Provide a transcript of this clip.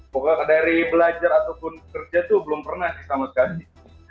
pokoknya dari belajar ataupun kerja itu belum pernah sih sama sekali